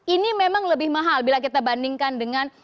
ini memang lebih mahal bila kita bandingkan dengan